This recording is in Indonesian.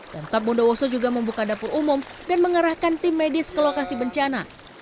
pemkap bondowoso juga membuka dapur umum dan mengerahkan tim medis ke lokasi bencana